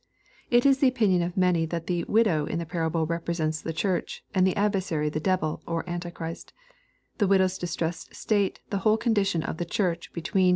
It is the opinion of many that the " widow" in the parable rep resents the Church, and the " adversary" the devil, or antichrist ; tlie widow's distressed state the whole condition of the Church be tweer.